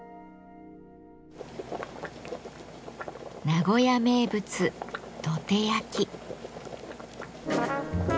名古屋名物「どて焼き」。